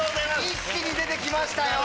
一気に出てきましたよ。